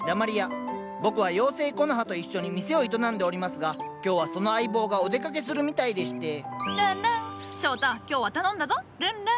僕は妖精コノハと一緒に店を営んでおりますがきょうはその相棒がお出かけするみたいでしてるんるん。